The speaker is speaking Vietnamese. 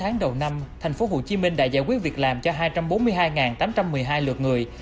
sáu tháng đầu năm tp hcm đã giải quyết việc làm cho hai trăm bốn mươi hai tám trăm một mươi hai lượt người